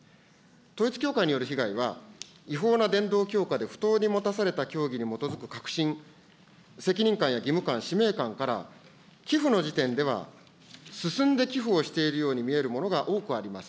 統一教会による被害は、違法な伝道強化で不当に持たされた教義に基づくかくしん、責任感や義務感、使命感から、寄付の時点では進んで寄付をしているように見えるものが多くあります。